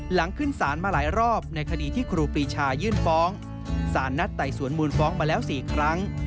หลังขึ้นสารมาหลายรอบในคดีที่ครูปีชายื่นฟ้องสารนัดไต่สวนมูลฟ้องมาแล้ว๔ครั้ง